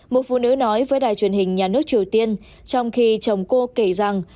một phụ nữ nói với đài truyền hình nhà nước triều tiên trong khi chồng cô kể rằng